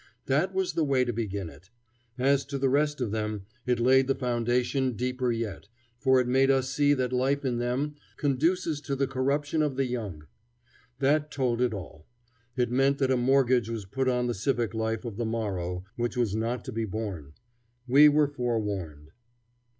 That was the way to begin it. As to the rest of them, it laid the foundation deeper yet, for it made us see that life in them "conduces to the corruption of the young." That told it all. It meant that a mortgage was put on the civic life of the morrow, which was not to be borne. We were forewarned.